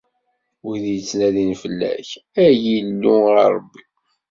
Wid yettnadin fell-ak, ay Illu, a Rebbi!